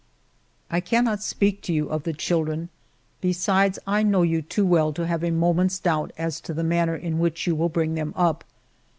" I cannot speak to you of the children ; besides, I know you too well to have a moment's doubt as to the manner in which you will bring them up.